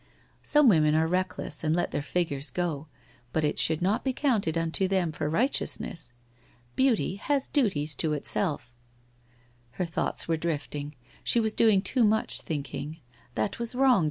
Some women are reckless and let their figures go, but it should not be counted unto them for righteousness. Beauty has duties to itself. ... Her thoughts were drifting. She was doing too much thinking. That was wrong.